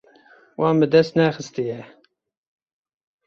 Wan bi dest nexistiye.